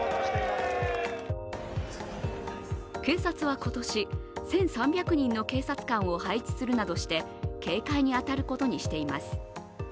警察は今年、１３００人の警察官を配置するなどして警戒に当たることにしています。